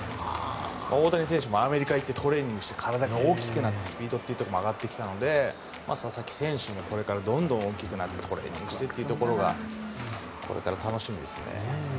大谷選手もアメリカに行ってトレーニングして体が大きくなってスピードも上がってきたので佐々木選手もこれからどんどん大きくなってトレーニングしていってというところがこれから楽しみですね。